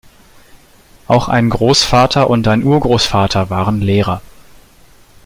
Auch ein Großvater und ein Urgroßvater waren Lehrer.